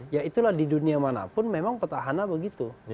ya itulah di dunia manapun memang petahana begitu